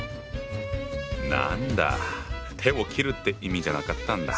なんだ手を切るって意味じゃなかったんだ。